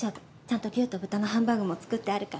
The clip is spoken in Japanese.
ちゃんと牛と豚のハンバーグも作ってあるから。